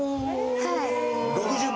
はい。